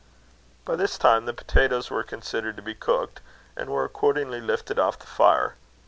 By this time the potatoes wore considered to be cooked, and were accordingly lifted off the fire.